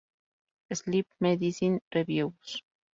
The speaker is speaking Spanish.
Sleep Medicine Reviews.